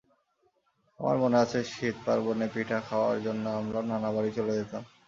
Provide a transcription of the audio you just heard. আমার মনে আছে, শীত পার্বণে পিঠা খাওয়ার জন্য আমরা নানাবাড়ি চলে যেতাম।